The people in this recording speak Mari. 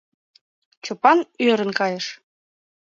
Чопан ӧрын кайыш.